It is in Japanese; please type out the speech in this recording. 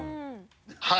はい。